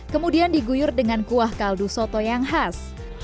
kemudian diguyur dengan kuah kaldu soto yang khas